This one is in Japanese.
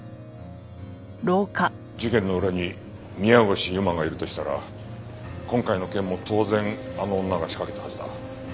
事件の裏に宮越優真がいるとしたら今回の件も当然あの女が仕掛けたはずだ。